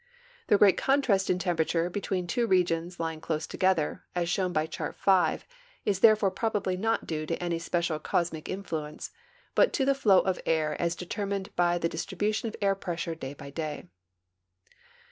The great contrast in temperature between two regions l3dng close together, as shown b}' Chart V, is therefore probabh' not due to any special cosmic influence, but to the flow of air as determined by the distribution of air pressure day by day.